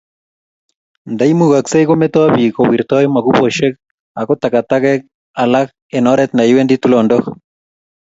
Ndaimugaksee kometo biik kowirtoi mukeboshek ago tagatagek alak eng oret yaiwendi tulondok